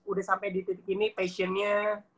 udah sampai di titik ini passionnya